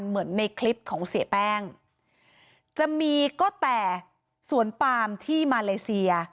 เหมือนในคลิปของเสียแป้งจะมีก็แต่สวนปามที่มาเลเซีย